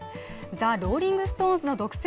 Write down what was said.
ザ・ローリング・ストーンズの独占